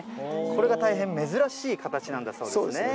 これが大変珍しい形なんだそうですね。